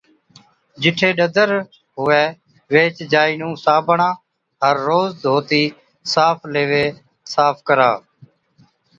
جِٺي ڏَدر هُوَي ويهچ جائِي نُون صابڻا هر روز ڌوتِي صاف ليوي صاف ڪرا۔